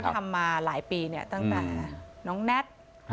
ทำมาหลายปีเนี่ยตั้งแต่น้องแน็ต